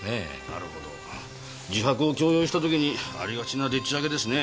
なるほど自白を強要したときにありがちなでっち上げですね。